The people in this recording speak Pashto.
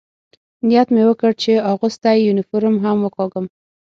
نیت مې وکړ، چې اغوستی یونیفورم هم وکاږم.